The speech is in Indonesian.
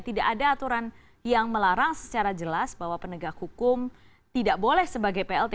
tidak ada aturan yang melarang secara jelas bahwa penegak hukum tidak boleh sebagai plt